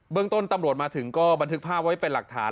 ต้นตำรวจมาถึงก็บันทึกภาพไว้เป็นหลักฐาน